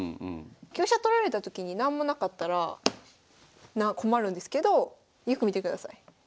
香車取られたときになんもなかったら困るんですけどよく見てください。